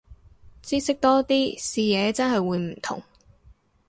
知識多啲，視野真係會唔同